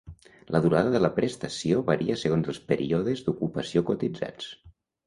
La durada de la prestació varia segons els períodes d'ocupació cotitzats.